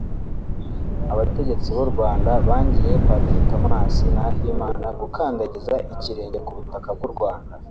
abategetsi b’u Rwanda bangiye Padiri Thomas Nahimana gukandagiza ikirenge ku butaka bw’u Rwanda